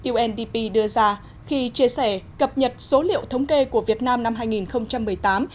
undp đưa ra khi chia sẻ cập nhật số liệu thống kê của việt nam năm hai nghìn một mươi tám